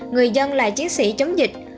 người dân là chiến sĩ chống dịch